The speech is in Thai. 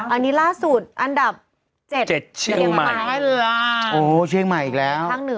อันนี้ล่าสุดอันดับ๗เชียงใหม่อันดับ๗เชียงใหม่อ้าวเชียงใหม่อีกแล้วข้างเหนือ